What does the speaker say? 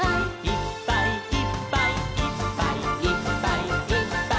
「いっぱいいっぱいいっぱいいっぱい」